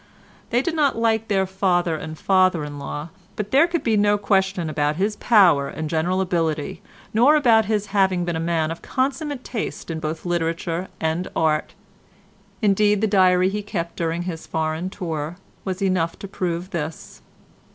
They did not like their father and father in law, but there could be no question about his power and general ability, nor about his having been a man of consummate taste both in literature and art—indeed the diary he kept during his foreign tour was enough to prove this.